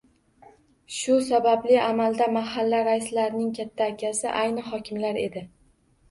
Shu sababli, amalda mahalla raislarining “katta akasi” aynan hokimlar edi